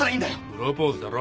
プロポーズだろ。